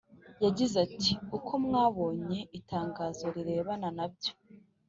yagize ati Uko mwabonye itangazo rirebana nabyo